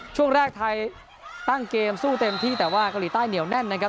ช่วงแรกไทยตั้งเกมสู้เต็มที่แต่ว่าเกาหลีใต้เหนียวแน่นนะครับ